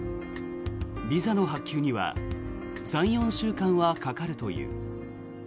ビザの発給には３４週間はかかるという。